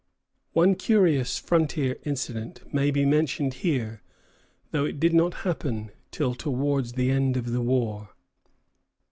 One curious frontier incident may be mentioned here, though it did not happen till towards the end of the war.